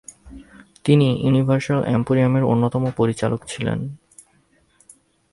তিনি ইউনিভার্সাল এম্পোরিয়ামের অন্যতম পরিচালক ছিলেন।